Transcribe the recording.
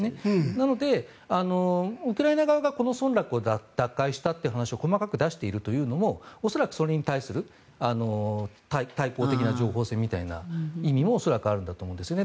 なので、ウクライナ側がこの村落を奪回したという話を細かく出しているというのも恐らくそれに対する対抗的な情報戦みたいな意味も恐らくあるんだと思うんですよね。